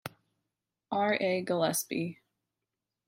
R. A. Gillespie.